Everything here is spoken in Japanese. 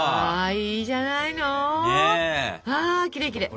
いいじゃないの！わきれいきれい。